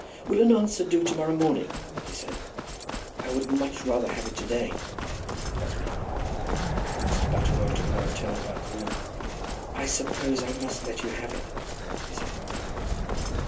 "Will an answer do to morrow morning?" he said. "I would much rather have it to day," said Crosbie. Then Mr. Butterwell took another turn about the room. "I suppose I must let you have it," he said.